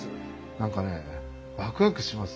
何かねワクワクします。